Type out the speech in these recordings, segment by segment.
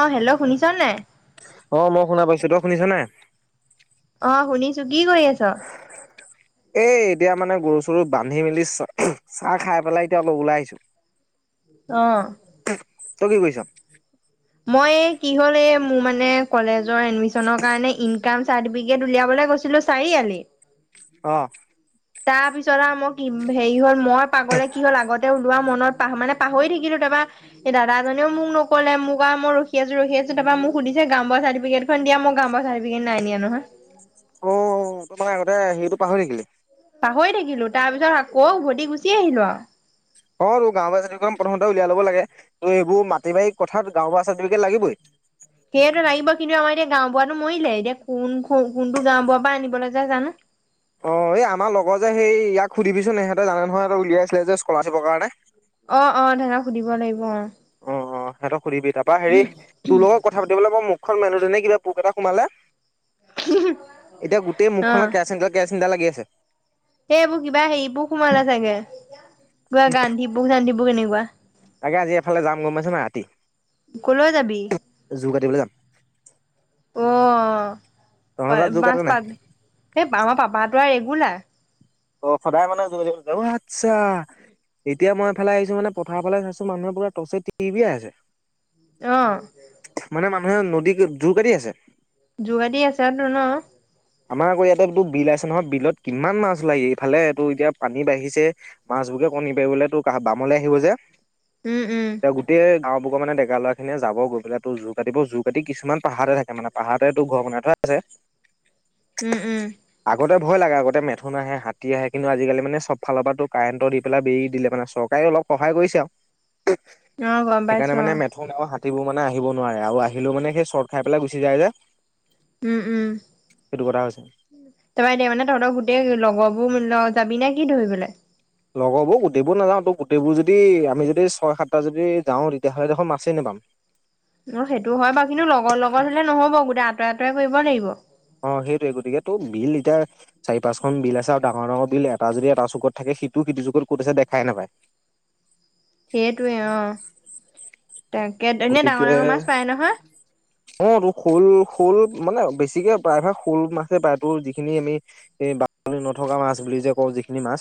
অঁ হেল্ল' শুনিছানাই? শুনিছানাই? অ শুনিছোঁ কি কৰি আছ? [inaudible] এই এতিয়া মানে গৰু চৰু বান্ধি মেলি চ চাহ খাই পেলাই এতিয়া অলপ ওলাই আহিছোঁ। [inaudible] অহ তই কি কৰিছ? মই এই কি হ'ল এই মোৰ মানে কলেজৰ এডমিচনৰ কাৰনে ইনকাম চাৰ্টিফিকেট ওলিয়াবলে গৈছিলো। ছিলো চাৰিআলি। অহ তাৰ পিছত আৰু মই কি হেৰি হ'ল মই পাগলে কি হ'ল আগত ওলোৱা মনত পাহ মানে পাহৰি থাকিলো। তাৰপা এই দাদাজনেও মোক নক'লে মোক আৰু মই ৰখি আছো ৰখি আছো। তাপা মোক শুধিছে গাওঁবুঢ়া চাৰ্টিফিকেটখন দিয়া। গাওঁবুঢ়া চাৰ্টিফিকেট। সি নাই নিয়া নহয়। ত সেইটো পাহৰি থাকিলি পাহৰি থাকিলো। তাৰ পিছত আকৌ উ ভতি গুচি আহিলো আৰু অ' অতো গাঁওবুঢ়া চাৰ্টফিকট প্ৰথমতে উলিয়াই লব লাগে তো' এইবোৰ মাটি বাৰি কথাত গাঁওবুঢ়া চ্টিফিকেট লাগিবই। সেইয়টো লাগিব কিন্তু আমাৰ এতিয়া গাওঁ‌ বুঢ়াটো মৰিলে এতিয়া কোন কোনটো গাওং বঢ়া পৰা আনিবলৈ যায় জানো? অ' এই আমাৰ লগৰ যে সেই ইয়াক সুধিবিচোন সিহঁতে জানে নহয়। ইহঁতে উলিয়াইছিলে যে স্কলাৰশ্বিপৰ কাৰণে। অ' অ' হেতক সুধিব লাগিব অ' অ' অ' সিহঁতক সুধিবি তাৰপা হেৰি তোৰ লগত কথা পাতিবলৈ মোৰ মোক মুখখন মেলোতেনে কিবা পোক এটা সোমালে। এতিয়া গোটেই মুখ খনে কিবা কেৰাচিন তেল কেৰাচিন তেল। চিন্তা লাগি আছে। সেই এইবোৰ কিবা হেৰিবোৰ সোমালে। চাগে কিবা গান্ধি পুক চান্ধি পোক এনেকুৱা তাকে আজি এফালে যাম গমপাইছা নাই ৰাতি? ক'লৈ যাবি? জোৰ কাটিবলে যাম। অ' পা তহঁতৰ তাত জোৰ কাটে মাছ নাই পাবি এই আমাৰ পাপাটো আৰু ৰেগুলাৰ অ' সদায় মানে গৈ মেলি অ' আচ্ছা। এতিয়া মই এইফালে আহিছো মানে পথাৰৰ ফালে চাইছো মানুহৰ পুৰা তছে টিৰ বিয়াই আছে। অহ মানে মানুহে নদী জোৰ কাটি আছে। জোৰকাতি আছে তো ন আমাৰ আকৌ ইয়াতে বিল আছে নহয়। বিলত কিমান মাছ উলাই এইফালে এইটো এতিয়া পানী বাঢ়িছে মাছ। তোৱেতো কনি পাৰিবলেতো বামলে আহিব যে। উম উম। গাঁওবুৰ মানে ডেকালৰা খিনিয়ে যাব গৈ পেলাই তো জোৰ কাটিব জোৰ কাটিতো কিছুমান পাহাৰতে থাকে মানে। পাহাৰততটো ঘৰ বনাই থোৱা আছে। [inaudible] উম উম আগতে ভয় লাগে আগতে মেথোন আহে, হাতী আহে কিন্তু আজিকালি মানে চব ফালৰ পৰাতো কাৰেণ্টৰ দি পেলাই বেৰি দিলে মানে চৰকাৰে। অলপ সহায় কৰিছে আৰু অ', গম সেইকাৰনে পাইছো মানে অ', মেঠোন হাতীবোৰ মানে আহিব নোৱাৰে আৰু আহিলেও মানে সেই শৰ্ট খাই পেলাই গুচি যায় যে। উম, উম, সেইটো কথা হৈছে। তাৰপৰা এতিয়া মানে তহঁতৰ গোটেই লগৰবোৰ যাবি নে কি ধৰিবলে? লগৰবোৰ গোটেইবোৰ নাযাওঁ। তো গোটেইবোৰ যদি আমি যদি ছয় সাতটা যদি যাওঁ তেতিয়াহ'লে দেখোন মাছেই নাপাম। [inaudible] অ' সেইটো হয় বাৰু কিন্তু লগৰ লগত হ'লে নহ'ব গোটেই আতই আঁতই কৰিব লাগিব। অ' সেইটোয়ে গতিকে টো বিল এতিয়া চাৰি পাঁচখন বিল আছে আৰু ডাঙৰ ডাঙৰ বিল এটা যদি এটা চুকত থাকে। সিটো সিতো যুগত ক'ত আছে দেখাই নাপায়। সেইটোৱে অ'। তাকে এনেই ডাঙৰ গতিকে ডাঙৰ মাছ পায় নহয়? অ' তোৰ সৰু সৰু মানে বেছিকে প্ৰায়ভাগ সৰু মাছে পায়। তোৰ যিখিনি আমি এ আ নথকা মাছ বুলি যে কওঁ যিখিনি মাছ।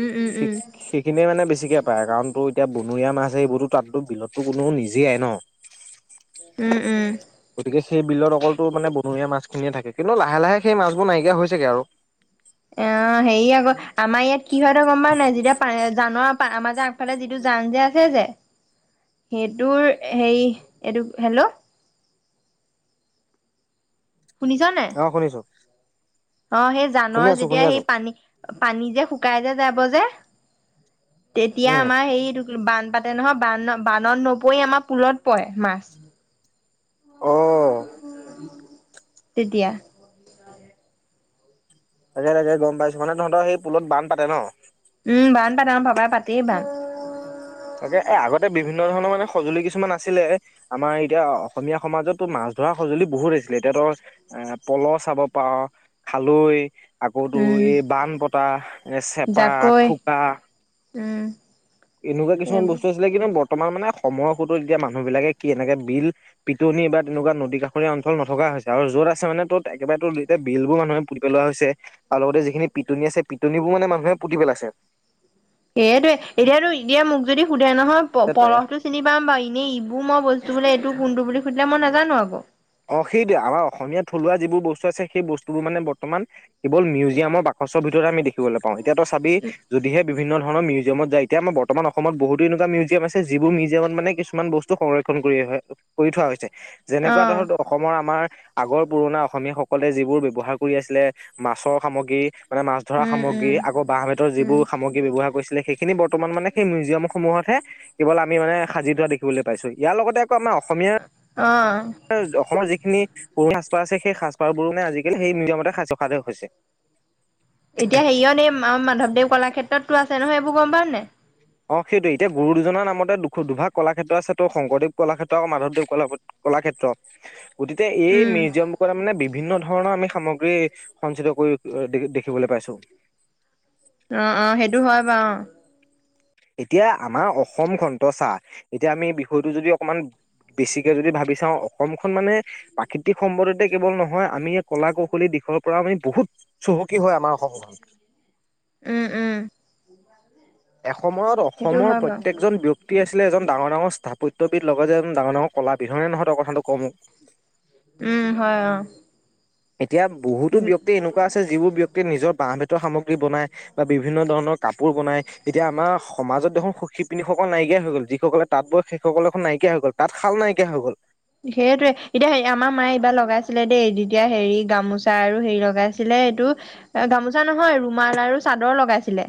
উম উম উম সেইখিনিয়ে মানে বেছিকে পায় কাৰণ তোৰ এতিয়া বনৰীয়া মাছ এইবোৰতো তাততো বিলতো কোনো নিজিয়াই ন উম উম গতিকে সেই বিলত অকলতো মানে বনৰীয়া মাছ ধুনীয়া থাকে কিন্তু লাহে লাহে সেই মাছবোৰ নাইকিয়া হৈছেগে আৰু অ হেৰি আকৌ আমাৰ ইয়াত কি হয় তই গম পা নাই যেতিয়া পানী জান পা আমাৰ গাৱঁৰ আগফালে যিটো জান যে আছে যে সেইটোৰ হেৰি এইটো হেল্ল' শুনিছ নাই অ শুনিছো অ সেই শুনি জানৰ আছো যেতিয়া শুনি আছো সেই পানী পানী যে শুকাই যে যাব যে তেতিয়া উম আমাৰ হেই বানপাতে নহয় বান বানত নপৰি আমাৰ পুলত পৰে মাছ অহ তেতিয়া তাকে তাকে গম পাইছো মানে তহঁতৰ সেই পুলত বান পাতে ন উম বান পাতে আমাৰ পাপাই পাতেই বান। তাকে এ আগতে বিভিন্ন ধৰণৰ মানে সঁজুলি কিছুমান আছিলে আমাৰ এতিয়া অসমীয়া সমাজতো মা- ধৰা সঁজুলি বহুত আছিলে এতিয়া তৰ এ পল চাব পাৰ খালৈ আকৌতো উম এই বানপতা এই চেপা জাকৈ খোকা উম এনেকুৱা কিছুমান এইবোৰ বস্তু আছিলে কিন্তু বত- বৰ্তমান মানে সময়ৰ সুতো এতিয়া মানুহ বিলাকে কি এনেকে বিল পিটনি বা তেনেকুৱা নদী কাষ- অঞ্চল নথকা হৈছে আৰু যত আছে মানে ত একেবাৰে ত এতিয়া বিল বোৰ মানুহে পুতি পেলোৱা হৈছে আৰু লগতে যিখিনি পিটনি আছে পিটনিবোৰ মানে মানুহে পুতিপেলাইছে সেইয়টোয়ে এতিয়াতো এতিয়া মোক যদি দে নহয় পলহ টো চিনি পাম বাৰু এনেই এইবোৰ মই বস্তু বোলে এইটো কোনটো বুলি সুধিলে মই নাজানো আক অ সেইটোৱে আমাৰ অসমীয়া থলুৱা যিবোৰ বস্তু আছে সেই বস্তুবোৰ মানে বৰ্তমান কেৱল মিউজিয়ামৰ বা- চৰ ভিতৰত আমি দেখিবলৈ পাওঁ এতিয়াটো চাবি যদিহে বিভিন্ন ধৰণৰ মিউ- মিজিয়ামত যায় এতিয়ামাৰ বৰ্তমান অসমত বহুতো এনেুৱা মিউজিয়াম আছে যিবোৰ মিউজিয়ত মানে কিছুমান বস্তু সংৰক্ষণ কৰি কৰি থোৱা হৈছে যেনেকুৱা অ' ধৰ দক- আমাৰ আগৰ পুৰণা অসমীয়া সকলে যিবোৰ ব্যৱহাৰ কৰি আছিলে মাছৰ সামগ্ৰী মানে মাছ ধৰা উম সামগ্ৰী উম আক বাহ বেতৰ উম যিবোৰ সামগ্ৰী ব্যৱহাৰ কৰিছে, আছিল সেইখিনি বৰ্তমান মানে সেই মিউজিয়াম সমূহতহে কেৱল আমি মানে সাজি হোৱা দেখিবলৈ পাইছো ইয়াৰ লগতে ত আমাৰ অসমীয়া অ' তে জগ যিখিনি পুৰণি সাজপাৰ আছে সেই সাজপাৰ বোৰো নে আজিকালি সেই মিউজিয়ামতে [unintelligible] হৈছে এতিয়া হেৰিয় নে মাধৱদেৱ কলাক্ষেত্ৰতো আছে নহয় এইবোৰ গম পাও নে নাই? অ সেইটো এতিয়া গুৰু দুজনৰ নামতে দু দুভাগ কলাক্ষেত্ৰ আছে তো শংকৰদেৱ কলাক্ষেত্ৰ আৰু মাধৱদেৱ কলাক্ষেত্ৰ। উম কলাক্ষেত্ৰ বিভিন্ন ধৰণৰ আমি সামগ্ৰী সঞ্চিত কৰি দেখি‌ দেখিবলৈ পাইছো। অ অ সেইটো হয় বাৰু এতিয়া আমাৰ অসম খন ত চা এতিয়া আমি বিষয়টো যদি অকমান বেছিকে যদি ভাবি চাওঁ অসমখন মানে প্ৰাকৃতিক সম্পদতে কেৱল নহয় আমি কলা কৌশলী দি দিশৰ পৰা আমি বহুত চহকী কি হয় আমাৰ অসমখন উম উম সময়ত সেইটো অসমৰ হয় বাৰু প্ৰত্যেকজন ব্যক্তি আছে আছিলে এজন ডাঙৰ-ডাঙৰ স্থাপত্যবিধ লগতে যে এজন ডাঙৰ-ডাঙৰ কলাবিধ হয় নে নহয় ত‌ই কথাটো ক মোক? উম! হয় অঁ এতিয়া বহুতো ব্যক্তি এনেকুৱা আছে, যিবোৰ ব্যক্তিয়ে নিজৰ বাঁহ-বেতৰ সামগ্ৰী বনাই বা বিভিন্ন ধৰণৰ কাপোৰ বনাই, এতিয়া আমাৰ সমাজত দেখোন সু-শিপিনীসকল নাইকিয় নাইকিয়াই হৈ গল যিসকলে তাঁত বয় সেইসকলে দেখোন নাইকিয়াই হৈ গল, তাঁত-শাল নাইকিয়া হৈ গল। সেইটোৱেই এতিয়া হেৰি আমাৰ মায়ে এইবাৰ লগাইছিলে দেই, যেতিয়া হেৰি গামোচা আৰু হেৰি লগাইছিলে এইটো গামোচা নহয় ৰুমাল আৰু চাদৰ লগাইছিলে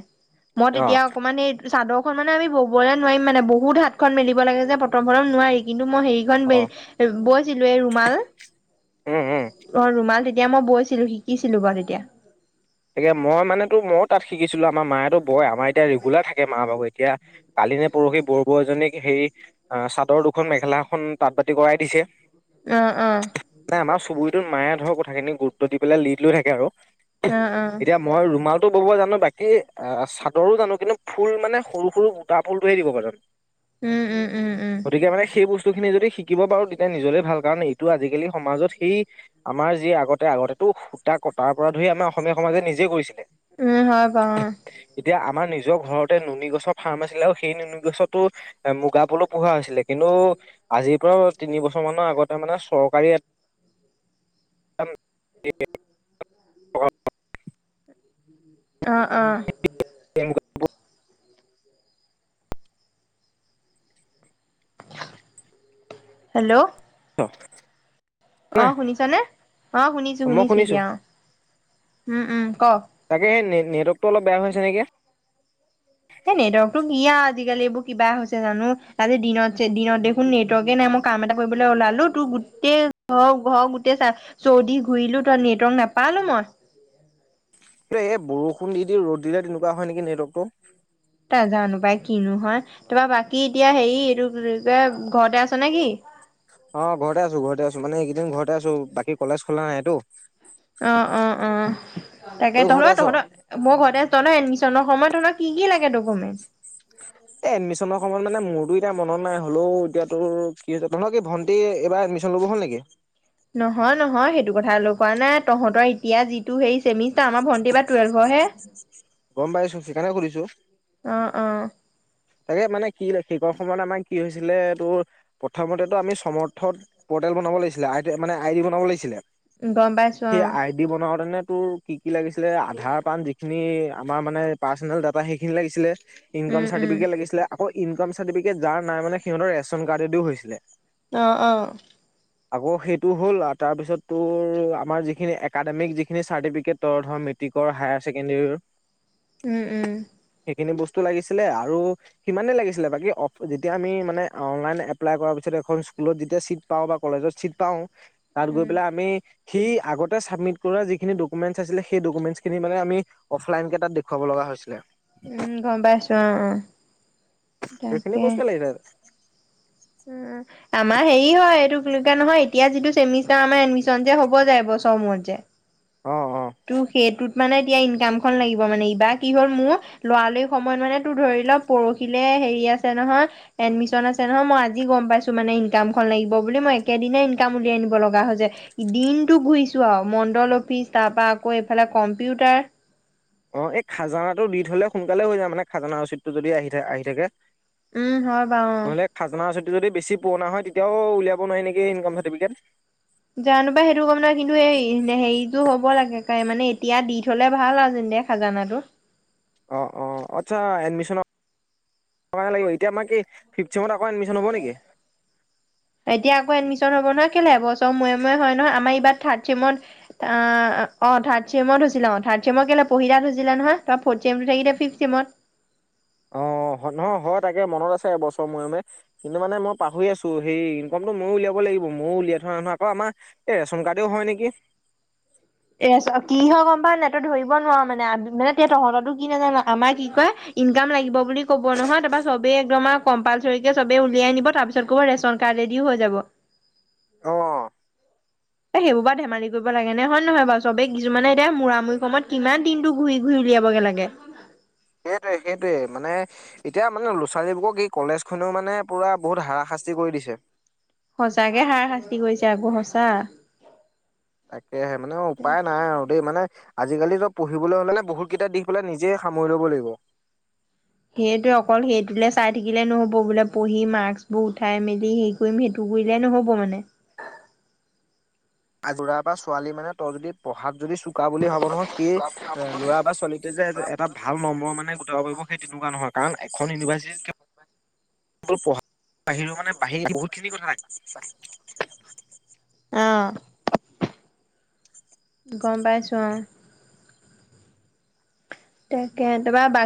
মই অ'। তেতিয়া অকনমানী চাদৰখনমানে আমি ববলৈ নোৱাৰিম মানে বহুত হাতখন মেলিব লাগে যে প্ৰথম-প্ৰথম নোৱাৰি কিন্তু হেৰিখন অ'। বৈছিলোঁ এই ৰুমাল অ উম, উম, ৰুমাল ৰুমাল, তেতিয়া মই বৈছিলো, শিকিছিলো বাৰু তেতিয়া। তাকে মই মানেটো মইয়ো তাত শিকিছিলো, আমাৰ মায়েতো বয়, আমাৰ এতিয়া ৰেগুলাৰ থাকে মাৰ ভাগৰ এতিয়া এতিয়া কালিনে পৰহি বৰ বৌ এজনীক হেৰি চাদৰ দুখন, মেখেলা, এখন তাঁত-বাতি কৰাই দিছে। অঁ-অঁ নাই আমাৰ চুবুৰীটোত মায়ে ধৰক কথাখিনি গুৰুত্ব দি পেলাই লিড লৈ থাকে আৰু। অঁ-অঁ এতিয়া মই ৰুমাল টো বব জানো, বাকি অ চাদৰো জানো কিন্তু ফুল মানে সৰু-সৰু বুটা ফুলটোহে দিব পাৰো। উম উম উম উম গতিকে মানে সেই বস্তু বস্তুখিনি যদি শিকিব পাৰো, তেতিয়া নিজলে ভাল কাৰণ এইটো আজিকালি সমাজত সেই আমাৰ যি আগতে-আগতে সূতা-কটাৰ পৰা ধৰি আমাৰ অসমীয়া সমাজে নিজেই কৰিছিলে। উম! হয় বাও উম এতিয়া আমাৰ নিজৰ ঘৰতে নুনি গছৰ ফাৰ্ম আছিলে আৰু সেই নুনি গছতো মুগাপলু পোহা হৈছিলে কিন্তু আজিৰ পৰা তিনি বছৰমানৰ আগতে মানে চৰকাৰী [unintelligible] অঁ-অঁ [unintelligible] হেল্ল'! ছ [unintelligible] অঁ শুনিছা নে? অঁ মই শুনিছোঁ-শুনিছোঁ শুনিছো এতিয়া অঁ উম-উম! ক? তাকে সেই নে নেটৱৰ্কটো অলপ বেয়া হৈছে নেকি? সেই নেটৱৰ্কটো ইয়াৰ আজিকালি এইবোৰ কিবা হৈছে জানো, আজি দিনত যে দিনত দেখোন নেটৱৰ্কে নাই, মই কাম এটা কৰিবলে ওলা তোৰ গোটেই ঘৰ-ঘৰ গোটেই চাৰি চৌদিশ ঘূৰিলো ত নেটৱৰ্ক নাপালো মই। এই বৰষুণ দি-দি ৰ'দ দিলে তেনেকুৱা হয় নেকি নেটৱৰ্কটো? নাজানো পাই কিনো হয়। তাৰপৰা বাকী এতিয়া হেৰি এইটো কি কয় ঘৰতে আছ নেকি? অ', ঘৰতে আছো ঘৰতে আছো মানে এইকেইদিন ঘৰতে আছো। বাকী কলেজ খোলা নাইটো? অঁ-অঁ-অঁ তাকে তই ঘৰতে আছ? তহঁতৰ ময়ো ঘৰতে আছোঁ। তহঁতৰ এডমিছ তেনে সময়টো নো কি কি লাগে ডকুমেন্টচ? এ এডমিশনৰ সময়ত মানে মোৰো এতিয়া মনত নাই হ'লেও এতিয়া তোৰ কি হৈছে, তোমাৰ কি ভন্টি এবাৰ এডমিশ্যন ল'ব হ'ল নেকি? নহয়-নহয় সেইটো কথা কোৱা নাই তহঁতৰ এতিয়া যিটো হেৰি চেমিষ্টাৰ, আমাৰ ভন্টি বা টুৱেল্ভত- হে গম পাইছোঁ, সেইকাৰণে সুধিছোঁ। অ অ তাকে মানে কি সেইকন সময়ত আমাৰ কি হৈছিলে তোৰ প্ৰথমেটো আমি চৰ্থত - বনাব লাগিছিলে,। মানে আইদি বনাব লাগিছিলে, গম পাইছো অ সেই আইদি বনাওতে নে তোৰ কি-কি লাগিছিলে আধাৰ, পাণ যিখিনি আমাৰ মানে পাৰ্চনেল ডাটা সেইখিনি লাগিছিলে। ইনকম উম উম চাৰ্টিফিকেট লাগিছিলে, আকৌ ইনকম চাৰ্টিফিকেট যাৰ নাই মানে সিহঁতৰ ৰেচন কাৰ্ডেদিও হৈছিলে। আহ-আহ। আকৌ সেইটো হ'ল আৰু তাৰপিছত তোৰ আমাৰ যিখিনি একাডেমিক যিখিনি চাৰ্টিফিকেট ত ধৰ - মেট্ৰিকৰ, হায়াৰ ছেকেণ্ডেৰীৰ- উম উম। সেইখিন বস্তু লাগিছিলে আও। আৰু সিমানেই লাগিছিলে বাকী অ যেতিয়া আমি মানে অনলাইন এপ্লাই কৰাৰ পিছত এখন স্কুলত যেতিয়া চিট পাওঁ বা কলেজত চিট পাও তাত গৈ উম, পেলাই আমি। সি আগতে ছাবমিট কৰা যিখিনি ডকুমেণ্টচ আছিলে সেই ডকুমেণ্টছখিনি মানে আমি অফলাইনকে তাত দেখুৱাব লগা হৈছিলে। উম গম পাই আছো অ অ সেইখিনি তাকে বস্তুৱে লাগিলে হলে- উম আমাৰ হেৰি হয় এইটো নহয় এতিয়া যিটো চেমিষ্টাৰ এডমিছন যে হব যে এবছৰৰ মূৰত যে অ অ তো সেইটোত মানে এতিয়া ইনকাম খন লাগিব মানে ইবাৰ কি হ'ল মোৰ লৰা লৰি সময়ত মানে তোৰ ধৰি লও পৰহিলে হেৰি আছে নহয় এডমিচন আছে নহয় মই আজি গম পাইছো মানে ইনকামখন লাগিব বুলি, মই একে দিনাই ইনকাম ওলিয়াই আনিব লগা হয় যে দিনটো ঘূৰিছো আও মণ্ডল অফিচ, তাৰপা আকৌ এইফালে কম্পিউটাৰ অ এই খাজানাটো দি থলে সোনকালে হৈ যায় মানে খাজানা ৰচিদটো যদি আহি থ আহি থাকে উম, হয় বাৰু অ'। নহলে খাজানা ৰচিড যদি বেছি পুৰণা হয় তেতিয়াও উলিয়াব নোৱাৰে নেকি ইনকাম চাৰ্টিফিকেট। জানো পাই সেইটো গম নাই কিন্তু এই হেৰিতো হ'ব লাগে কাই মানে এই এতিয়া দি থলে ভাল আও জোন দে খাজানাটো, অ অ আচ্ছা এডমিছনৰ কাৰণে লাগিব এতিয়া আমাৰ কি ফিফথ চেমত আকৌ এডমিশ্যন হ'ব নেকি? এতিয়া আকৌ এডমিশ্যন হব নহয় কেলে এবছৰ মুয়ে মুয়ে হয় নহয় আমাৰ ইবাৰ থাৰ্ডছেমত অহ অ থাৰ্ড চেমত হৈছিলে, অ থাৰ্ড চেমৰ কেলে পহিলাত হৈছিলে নহয় ফৰ্ডছেমটো থাকিলে ফিফথ্ চেমত অ অ নহ হয় তাকে মনত আছে, এবছৰ মূয়ে মূয়ে কিন্তু মানে মই পাহৰি আছো, সেই ইনকমতটো ময়ো উলিয়াব লাগ লাগিব ময়ো উলিয়াই থোৱা নাই আকৌ আমাৰ এই ৰেচন কাৰ্ডেও হয় নেকি? এ আছ কি হৈ গম পাওঁ তই ধৰিব নোৱা মানে, মানে তেতিয়া তহঁতৰো কি নাজানো আমাৰ কি কয় ইনকাম লাগিব বুলি ক'ব নহয়, তাপা চবেই একদম আৰু কম্পালচৰিকে চবে উলিয়াই নিব তাৰপিছত ক'ব ৰেচন কাৰ্ড ৰেডি হৈ যাব অ এ সেইবোৰ বা ধেমালি কৰিব লাগেনে হৈ নে নহয় বাৰু চবে কিছুমানে এতিয়া মূৰামূৰি সমত কিমান দিনত ঘূৰি ঘূৰি উলিয়াই চাবগে লাগে সেইটোৱে সেইটোৱে মানে এতিয়া মানে ল'ৰা ছোৱালীবোৰক ই কলেজ খনেও মানে পুৰা বহুত হাৰশা স্তি কৰি দিছে। সঁচাকে হাৰা শাস্তি কৰিছে আকৌ সঁচা। তাকেহে মানে উপায় নাই আৰু দেই মানে আজিকালি চব পঢ়িবলৈ হ'লে বহুত কিতাপ দি পেলাই নিজে সামৰি ল'ব লাগিব। সেইটোৱে অকল সেইটোলে চাই থাকিলে নহব বোলে পঢ়ি মাক্স বোৰ উঠাই মেলি হেই কৰিম সেইটো বুইলে নহব মানে। [inaudible] আজোৰা পৰা ছোৱালী মানে তই যদি পঢ়াত যদি চোকা বুলি ভাব নহয়, সেই ল'ৰা বা ছোৱালীটোৱে যে এটা ভাল নম্বৰ মানে গোটাব পাৰিব সেই তেনেকোৱা নহয়, কাৰণ এখন ইউনিভাৰ্চিটিত অকল পঢ়া, বাহিৰেও মানে বাহিৰৰ বহুতখিনি কথা থাকে অ, গম পাইছো অ, তাকে তাপা বা